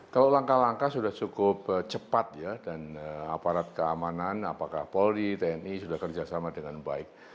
kalau langkah langkah sudah cukup cepat ya dan aparat keamanan apakah polri tni sudah kerjasama dengan baik